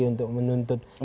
untuk menuntut keadilan